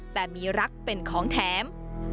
แต่มีรักเป็นของแถม